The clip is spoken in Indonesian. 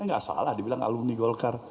nggak salah dibilang alumni golkar